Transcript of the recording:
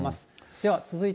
では続いて。